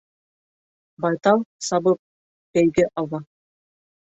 Байтал, сабып, бәйге алмаҫ.